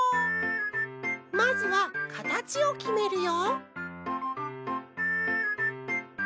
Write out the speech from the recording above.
まずはかたちをきめるよ